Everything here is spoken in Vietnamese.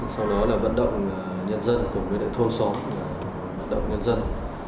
sau đó là vận động nhân dân của những thôn xóm vận động nhân dân